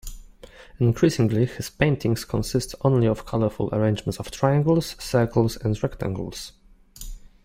Increasingly, his paintings consist only of colorful arrangements of triangles, circles and rectangles.